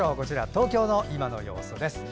東京の今の様子です。